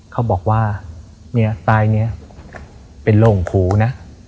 เขาบอกว่าตายเป็นโรงคูนะ